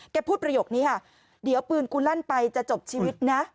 พูดประโยคนี้ค่ะเดี๋ยวปืนกูลั่นไปจะจบชีวิตนะ